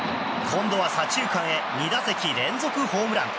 今度は左中間へ２打席連続ホームラン。